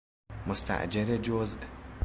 مستأجر جزء